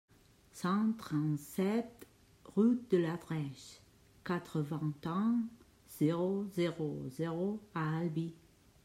cent trente-sept route de la Drêche, quatre-vingt-un, zéro zéro zéro à Albi